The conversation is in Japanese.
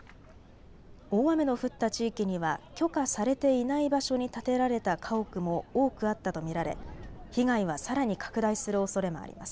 大雨の降った地域には許可されていない場所に建てられた家屋も多くあったと見られ、被害はさらに拡大するおそれもあります。